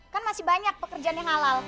kan masih banyak pekerjaan yang halal